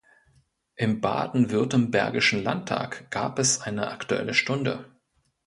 Im baden-württembergischen Landtag gab es eine Aktuelle Stunde.